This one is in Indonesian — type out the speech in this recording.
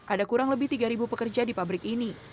ada kurang lebih tiga pekerja di pabrik ini